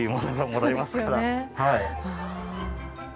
はい。